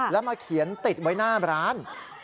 แล้วมาเขียนติดไว้หน้าร้าน